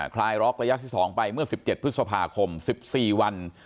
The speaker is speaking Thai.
คลายล็อกระยะที่๒ไปเมื่อ๑๗พฤษภาคม๑๔วัน